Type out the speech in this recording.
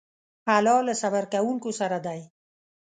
الله له صبر کوونکو سره دی.